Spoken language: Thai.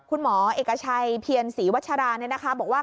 คุณหมอเอกชัยเพียรศรีวัชราบอกว่า